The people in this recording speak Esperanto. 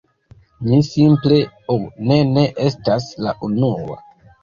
Mi simple... ho, ne, ne estas la unua.